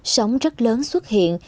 sống rất lớn xuất hiện